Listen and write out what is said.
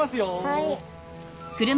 はい。